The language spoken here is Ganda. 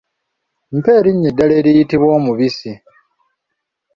Mpa erinnya eddala eriyitibwa omubisi?